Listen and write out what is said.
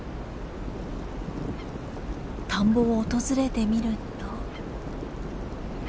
田んぼを訪れてみると。